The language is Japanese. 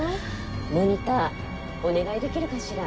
モニターお願いできるかしら？